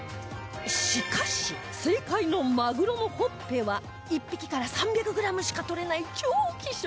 しかし正解のマグロのほっぺは１匹から３００グラムしか取れない超希少部位